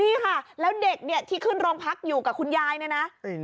นี่ค่ะแล้วเด็กเนี่ยที่ขึ้นโรงพักอยู่กับคุณยายเนี่ยนะ